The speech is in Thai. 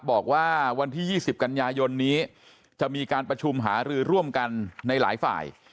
บอกว่าวันที่๒๐กันยายนนี้จะมีการประชุมหารือร่วมกันในหลายฝ่าย